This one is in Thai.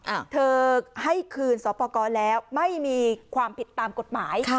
เธอให้คืนสอบประกอบแล้วไม่มีความผิดตามกฎหมายค่ะ